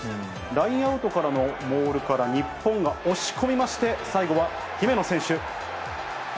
ラインアウトからのモールから日本が押し込みまして、最後は姫野選手。